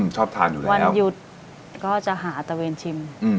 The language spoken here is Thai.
ชอบทานอยู่แล้ววันหยุดก็จะหาตะเวนชิม